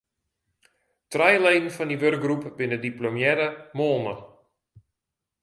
Trije leden fan dy wurkgroep binne diplomearre moolner.